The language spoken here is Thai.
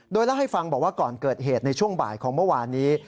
โดยเล่าให้ฟังบอกว่าก่อนเกิดเหตุในช่วงบ่ายของเมื่อวานนี้